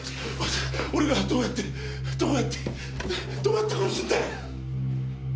俺がどうやってどうやってどうやって殺すんだよ！？